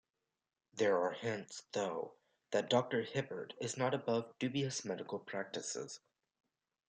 There are hints though, that Doctor Hibbert is not above dubious medical practices.